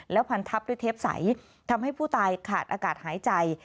พันทับด้วยเทปใสทำให้ผู้ตายขาดอากาศหายใจ